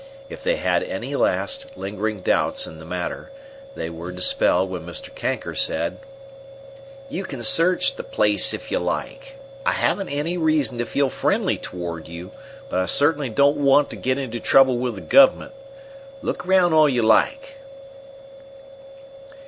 If they had any last, lingering doubts in the matter, they were dispelled when Mr. Kanker said: "You can search the place if you like. I haven't any reason to feel friendly toward you, but I certainly don't want to get into trouble with the Government. Look around all you like."